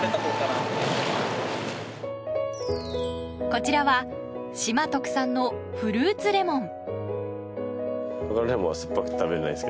こちらは島特産のフルーツレモン。